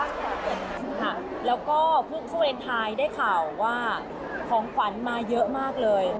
ค่ะแล้วก็วาเลนไทยได้ข่าวว่าของขวัญมาเยอะมากเลย